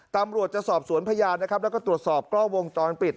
ตำรวจจะสอบสวนพยานแล้วก็ตรวจสอบกล้อวงตอนปิด